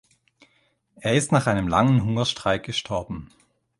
Er ist nach einem langen Hungerstreik gestorben.